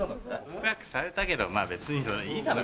告白されたけど別にいいだろ。